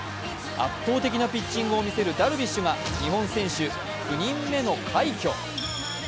圧倒的なピッチングを見せるダルビッシュが日本選手９人目の快挙。